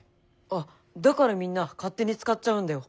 あっだからみんな勝手に使っちゃうんだよ。